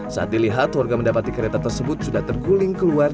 saat dilihat warga mendapati kereta tersebut sudah terguling keluar